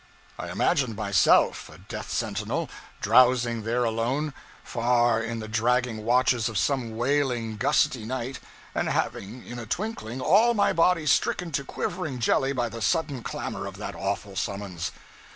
I imagined myself a death sentinel drowsing there alone, far in the dragging watches of some wailing, gusty night, and having in a twinkling all my body stricken to quivering jelly by the sudden clamor of that awful summons!